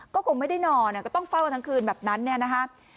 ก็คงไม่ได้นอนก็ต้องเฝ้าทั้งคืนแบบนั้นเนี่ยนะครับ